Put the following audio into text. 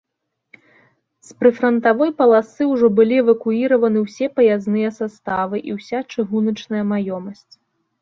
З прыфрантавой паласы ўжо былі эвакуіраваны ўсе паязныя саставы і ўся чыгуначная маёмасць.